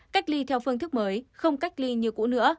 cách ly theo phương thức mới không cách ly như cũ nữa